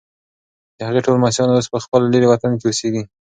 د هغې ټول لمسیان اوس په خپل لیرې وطن کې اوسیږي.